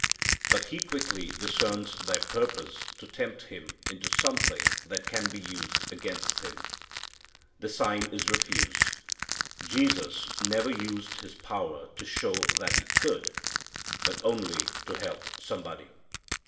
But He quickly discerns their purpose to tempt Him into something that can be used against Him. The sign is refused. Jesus never used His power to show that He could, but only to help somebody.